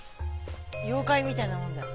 妖怪みたいなもんだよ。